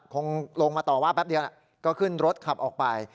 คงลงมาต่อว่าแป๊บเดียวก็ขึ้นรถขับออกไป